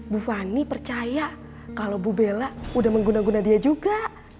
bu fani percaya kalau bu bella udah mengguna guna dia juga